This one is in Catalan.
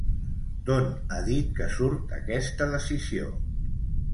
D'on ha dit que surt aquesta decisió?